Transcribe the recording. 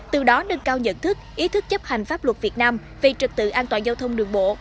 từ đó nâng cao nhận thức ý thức chấp hành pháp luật việt nam về trực tự an toàn giao thông đường bộ